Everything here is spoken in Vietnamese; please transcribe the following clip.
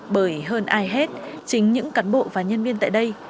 bởi hơn ai hết chính những cán bộ và nhân viên tại đây